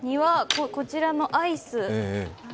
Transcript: こちらのアイス。